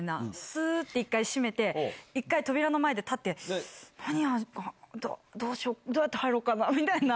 すーって一回閉めて、一回扉の前で立って、何、どうしよう、どうやって入ろうかなみたいな。